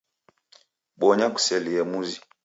Bonya kuselie mzi.